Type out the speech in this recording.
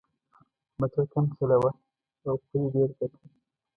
موټر کم چلوه او پلي ډېر ګرځه.